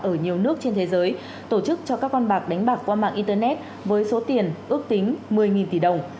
ở nhiều nước trên thế giới tổ chức cho các con bạc đánh bạc qua mạng internet với số tiền ước tính một mươi tỷ đồng